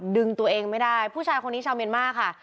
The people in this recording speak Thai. ดึงตัวเองไม่ได้ผู้ชายคนนี้ชาวเมียนมาร์ค่ะ